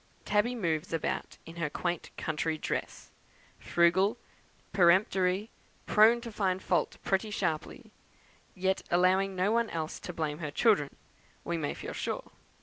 Tabby moves about in her quaint country dress, frugal, peremptory, prone to find fault pretty sharply, yet allowing no one else to blame her children, we may feel sure.